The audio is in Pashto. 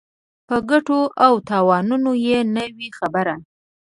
په ګټو او تاوانونو یې نه وي خبر.